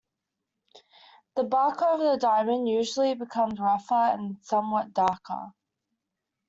The bark over the diamond usually becomes rougher and somewhat darker.